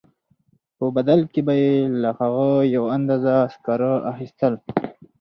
په بدل کې به یې له هغه یوه اندازه سکاره اخیستل